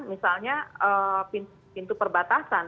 misalnya pintu perbatasan